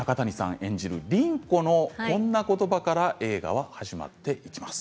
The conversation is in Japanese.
演じる凛子のこんなことばから映画は始まります。